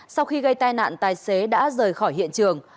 sau khi gây tai nạn tài xế đã rời khỏi hiện trường